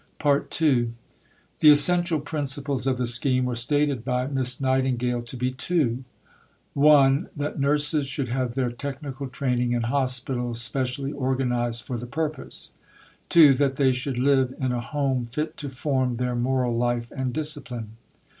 II The essential principles of the scheme were stated by Miss Nightingale to be two: "(1) That nurses should have their technical training in hospitals specially organized for the purpose; (2) That they should live in a home fit to form their moral life and discipline."